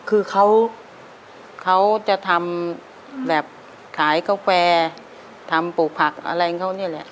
คือเขาจะทำแบบขายกาแฟทำปลูกผักอะไรเขาเนี่ยแหละ